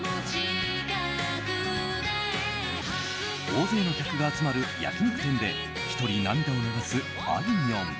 大勢の客が集まる焼き肉店で１人涙を流すあいみょん。